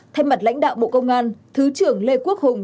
thay mặt lãnh đạo bộ công an thứ trưởng lê quốc hùng